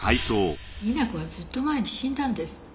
皆子はずっと前に死んだんです。